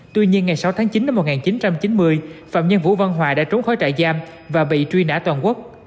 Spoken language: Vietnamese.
tuy nhiên ngày sáu tháng chín năm một nghìn chín trăm chín mươi phạm nhân vũ văn hoài đã trốn khỏi trại giam và bị truy nã toàn quốc